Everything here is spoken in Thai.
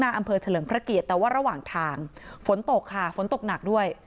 อำเภอเฉลิมพระเกียรติแต่ว่าระหว่างทางฝนตกค่ะฝนตกหนักด้วย